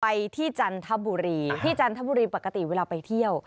ไปที่จันทบุรีที่จันทบุรีปกติเวลาไปเที่ยว